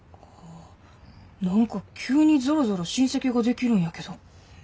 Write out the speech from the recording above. あ何か急にぞろぞろ親戚ができるんやけど。